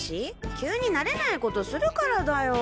急に慣れないことするからだよ。